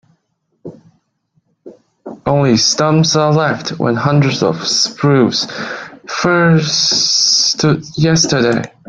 Only stumps are left where hundreds of spruce firs stood yesterday.